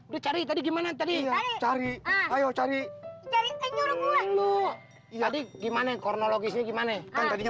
dicari tadi gimana tadi cari ayo cari cari tadi gimana kronologisnya gimana